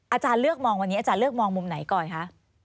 อาจารย์เลือกมองวันนี้อาจารย์เลือกมองมุมไหนก่อนคะ